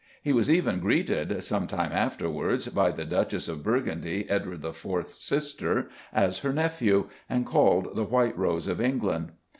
He was even greeted, some time afterwards, by the Duchess of Burgundy, Edward IV.'s sister, as her nephew, and called the "White Rose of England."